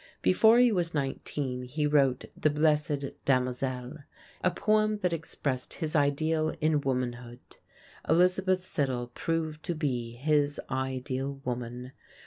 Before he was nineteen he wrote "The Blessed Damozel," a poem that expressed his ideal in womanhood. Elizabeth Siddal proved to be his ideal woman.